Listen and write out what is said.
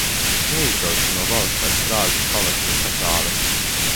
Neizbrauca no valsts pēc Prāgas pavasara sakāves.